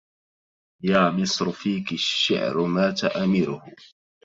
يا مصر فيك الشعر مات أميره